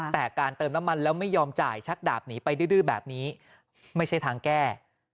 แต่การเติมน้ำมันแล้วไม่ยอมจ่ายชักดาบหนีไปดื้อแบบนี้ไม่ใช่ทางแก้